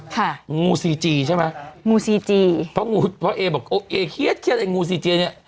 ค่ะงูซีจีใช่ไหมงูซีจีเพราะเอบอกเอเคียดไอ้งูซีจีเนี่ย